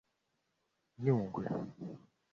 Nyungwe